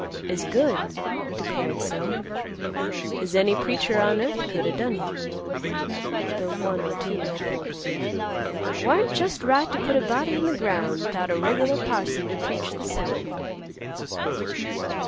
"As good," declared some, "as any preacher on earth could o' done hit;" though one or two held "it warn't jest right to put a body in th' ground 'thout a regular parson t' preach th' sermon."